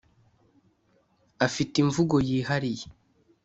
afite imvugo yihariye.